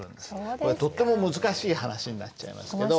これとっても難しい話になっちゃいますけど。